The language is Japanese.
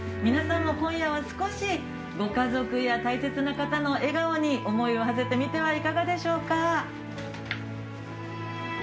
皆さんも今夜は少し、ご家族や大切な方の笑顔に思いをはせてみてはいかがでしょうか？